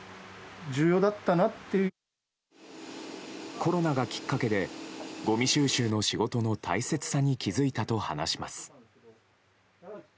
コロナがきっかけでごみ収集の仕事の大切さに気づいたと話します。